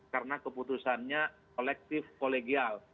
karena keputusannya kolektif kolegial